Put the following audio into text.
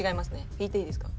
引いていいですか？